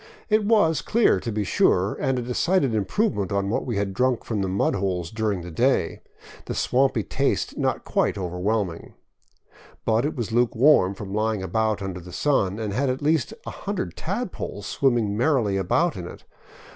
It was clear, to be sure, and a decided improvement on what we had drunk from the mud holes during the day, the swampy taste not quite over whelming. But it was lukewarm from lying out under the sun, and had at least a hundred tadpoles swimming merrily about in it.